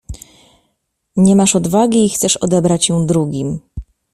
"Nie masz odwagi i chcesz odebrać ją drugim."